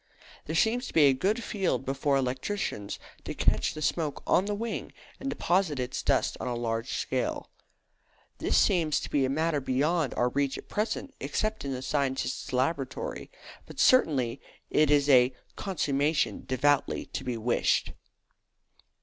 There seems to be a good field before electricians to catch the smoke on the wing and deposit its dust on a large scale. This seems to be a matter beyond our reach at present, except in the scientist's laboratory; but certainly it is a "consummation devoutly to be wished."